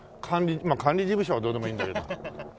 まあ管理事務所はどうでもいいんだけど。